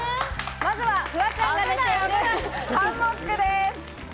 まずフワちゃんが寝ているハンモックです。